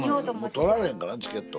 もう取られへんからねチケット。